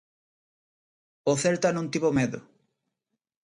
O Celta non tivo medo.